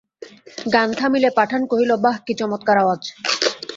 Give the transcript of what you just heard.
গান থামিলে পাঠান কহিল, বাঃ কী চমৎকার আওয়াজ।